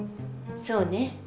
そうね。